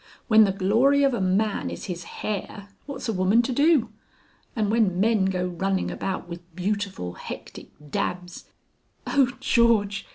When the glory of a man is his hair, what's a woman to do? And when men go running about with beautiful hectic dabs " "Oh George!